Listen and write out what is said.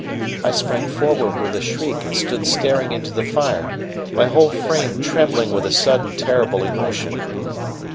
I sprang forward with a shriek and stood staring into the fire, my whole frame trembling with a sudden terrible emotion.